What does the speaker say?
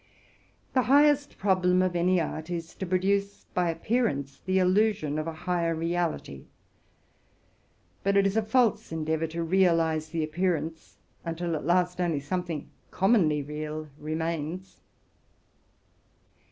The highest problem of any art is, to produce by semblance the illusion of some higher reality. But it is a false en deayor to realize the appearance until at last only something commonly real remains.